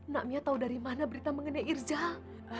nak mia tau dari mana berita mengenai irzal